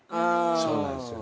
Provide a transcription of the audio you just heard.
そうなんですよね。